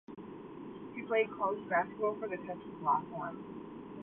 He played college basketball for the Texas Longhorns.